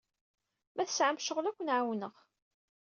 Ma tesɛam ccɣel, ad ken-ɛawneɣ.